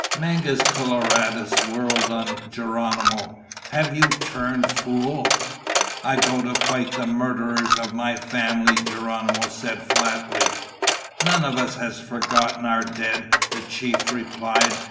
Mangus Coloradus whirled on Geronimo. "Have you turned fool?" "I go to fight the murderers of my family," Geronimo said flatly. "None of us has forgotten our dead," the chief replied.